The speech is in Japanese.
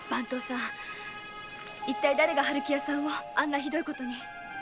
一体だれが春喜屋さんをあんなひどいことに？